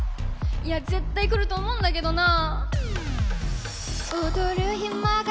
いや、絶対来ると思うんだけどなぁ。